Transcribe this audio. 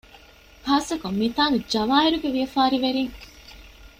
ޚާއްސަކޮށް މިތާނގެ ޖަވާހިރުގެ ވިޔަފާރިވެރީން